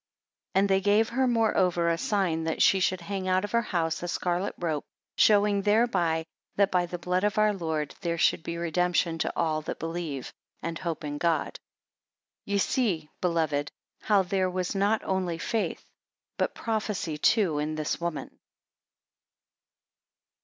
10 And they gave her moreover a sign, that she should hang out of her house a scarlet rope, showing thereby, that by the blood of our Lord, there should be redemption to all that believe and hope in God. Ye see, beloved, how there was not only faith, but prophesy too in this woman.